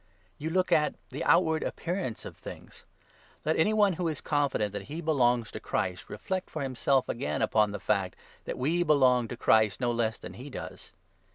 You look at the outward appearance of things ! 7 Let any one, who is confident that he belongs to Christ, reflect, for himself, again upon the fact — that we belong to Christ no less than he does.